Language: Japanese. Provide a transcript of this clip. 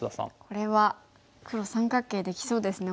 これは黒三角形できそうですねオサえると。